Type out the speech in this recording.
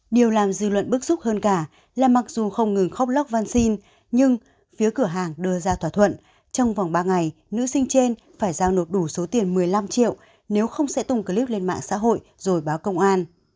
điều làm dư luận bức xúc hơn cả là mặc dù không ngừng khóc lóc văn xin nhưng phía cửa hàng đưa ra thỏa thuận trong vòng ba ngày nữ sinh trên phải giao nộp đủ số tiền một mươi năm triệu nếu không sẽ tung clip lên mạng xã hội rồi báo công an